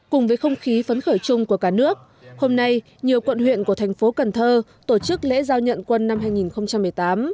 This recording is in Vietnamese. cùng với không khí phấn khởi chung của cả nước hôm nay nhiều quận huyện của thành phố cần thơ tổ chức lễ giao nhận quân năm hai nghìn một mươi tám